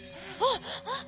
あっ！